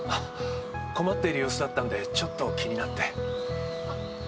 困っている様子だったんでちょっと気になって。